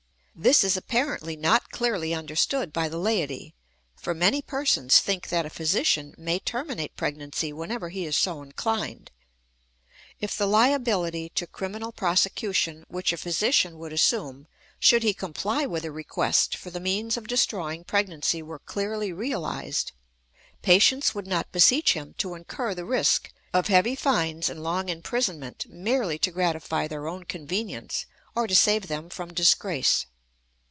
This is apparently not clearly understood by the laity, for many persons think that a physician may terminate pregnancy whenever he is so inclined. If the liability to criminal prosecution which a physician would assume should he comply with a request for the means of destroying pregnancy were clearly realized, patients would not beseech him to incur the risk of heavy find and long imprisonment merely to gratify their own convenience or to save them from disgrace.